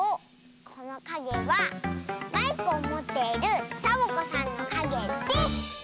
このかげはマイクをもっているサボ子さんのかげです！